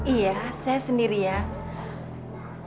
iya saya sendirian